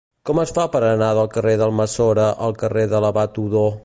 Com es fa per anar del carrer d'Almassora al carrer de l'Abat Odó?